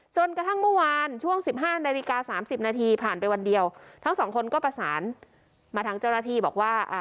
จนกระทั่งเมื่อวานช่วงสิบห้านาฬิกาสามสิบนาทีผ่านไปวันเดียวทั้งสองคนก็ประสานมาทางเจ้าหน้าที่บอกว่า